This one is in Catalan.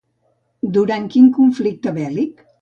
Durant quin conflicte bèl·lic?